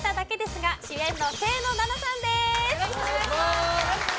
よろしくお願いします